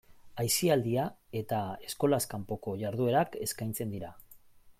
Aisialdia eta eskolaz kanpoko jarduerak eskaintzen dira.